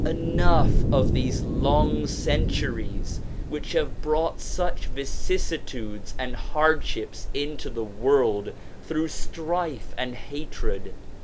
Enough of these long centuries which have brought such vicissitudes and hardships into the world through strife and hatred.